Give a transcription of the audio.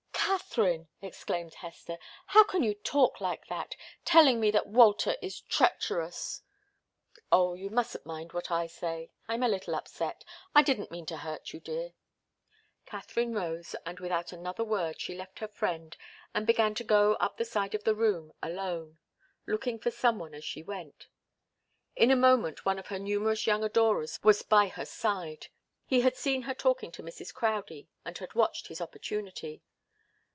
"Katharine!" exclaimed Hester. "How can you talk like that telling me that Walter is treacherous " "Oh you mustn't mind what I say I'm a little upset I didn't mean to hurt you, dear." Katharine rose, and without another word she left her friend and began to go up the side of the room alone, looking for some one as she went. In a moment one of her numerous young adorers was by her side. He had seen her talking to Mrs. Crowdie, and had watched his opportunity.